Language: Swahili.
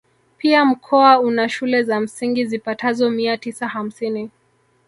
Pia mkoa una shule za msingi zipatazo mia tisa hamsini